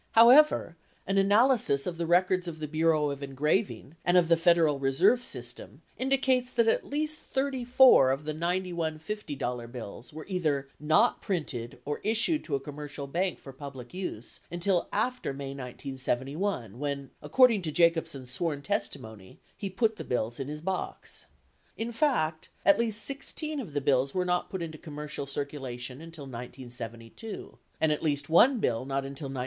However, an analysis of the records of the Bureau of Engraving and of the Federal Reserve System indicates that at least 34 of the 91 $50 bills were either not printed or issued to a com mercial bank for public use until after May 1971 when, according to Jacobsen's sworn testimony, he put the bills in his box. In fact, at least 16 of the bills were not put into commercial circulation until 1972, and at least 1 bill not until 1973.